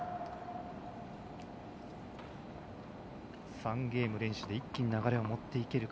３ゲーム連取で一気に流れを持っていけるか。